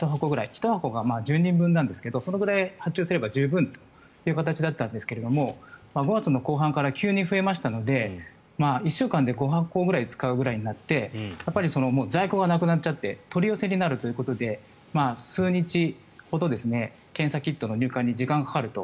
１箱が２０人分なんですけどそのぐらい発注すれば十分という感じだったんですが５月後半から急に増えましたので１週間で５箱ぐらい使うぐらいになって在庫がなくなっちゃって取り寄せになるということで数日ほど検査キットの入荷に時間がかかると。